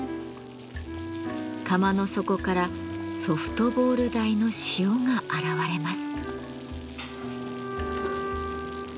釜の底からソフトボール大の塩が現れます。